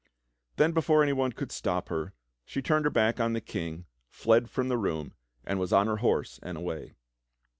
Then before anyone could stop her, she turned her back on the King, fled from the room, and was on her horse and away.